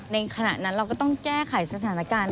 ในขณะนั้นเราก็ต้องแก้ไขสถานการณ์